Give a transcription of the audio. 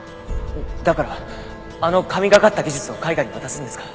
だからあの神懸かった技術を海外に渡すんですか？